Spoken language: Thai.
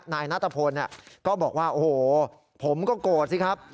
นายนัทพลก็บอกว่าโอ้โหผมก็โกรธสิครับ